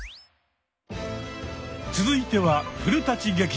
続いては「古劇場」。